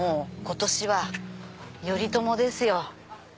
今年は頼朝ですよ。